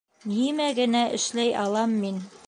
Нимә генә эшләй алам мин?